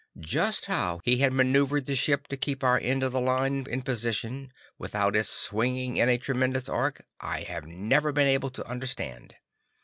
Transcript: Just how he had maneuvered the ship to keep our end of the line in position, without its swinging in a tremendous arc, I have never been able to understand.